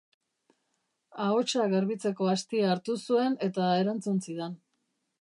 Ahotsa garbitzeko astia hartu zuen eta erantzun zidan.